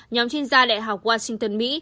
nhóm chuyên gia đại học washington